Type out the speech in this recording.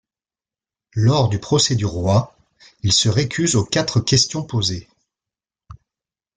Lors du procès du roi, il se récuse aux quatre questions posées.